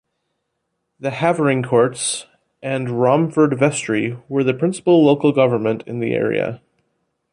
The Havering courts and Romford vestry were the principal local government in the area.